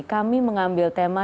kami mengambil tema